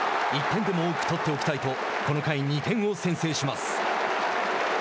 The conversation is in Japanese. １点でも多く取っておきたいとこの回、２点を先制します。